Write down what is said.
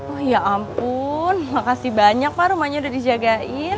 oh ya ampun makasih banyak pak rumahnya udah dijagain